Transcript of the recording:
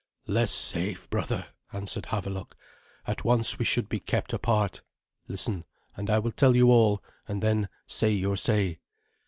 "Less safe, brother," answered Havelok. "At once we should be kept apart. Listen, and I will tell you all, and then say your say."